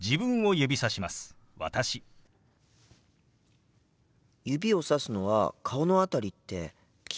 指をさすのは顔の辺りって決まっているんですか？